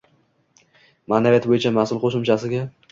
Ma’naviyat bo‘yicha mas’ul qo‘shimchasiga.